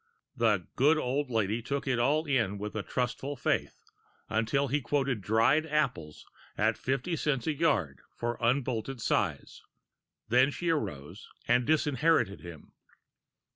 The good old lady took it all in with a trustful faith, until he quoted dried apples at fifty cents a yard for unbolted sides; then she arose and disinherited him.